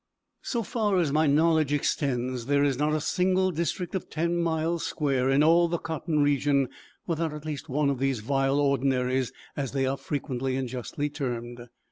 So far as my knowledge extends, there is not a single district of ten miles square, in all the cotton region, without at least one of these vile ordinaries, as they are frequently and justly termed.